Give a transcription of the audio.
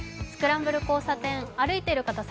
スクランブル交差点、歩いている方